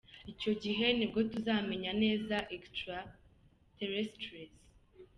Icyo gihe nibwo tuzamenya neza Extra-terrestres.